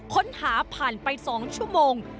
ค้นหาผ่านไป๒ชั่วโมง